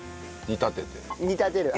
煮立てる。